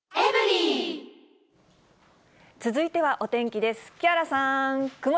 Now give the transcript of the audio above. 続いてはお天気です。